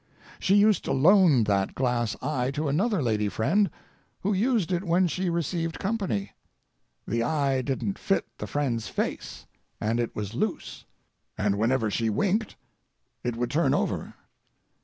She used to loan that glass eye to another lady friend, who used it when she received company. The eye didn't fit the friend's face, and it was loose. And whenever she winked it would turn over.